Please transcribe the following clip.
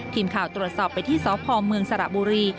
ทีมข่าวตรวจสอบไปที่สพเมืองสระบุรี